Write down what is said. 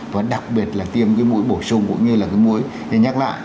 và đặc biệt là tiêm cái mũi bổ sung cũng như là cái mũi để nhắc lại